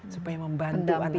supaya membantu anak ini